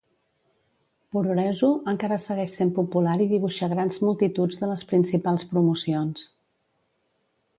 Puroresu encara segueix sent popular i dibuixa grans multituds de les principals promocions.